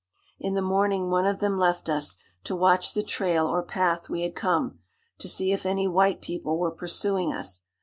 "In the morning one of them left us, to watch the trail or path we had come, to see if any white people were pursuing us.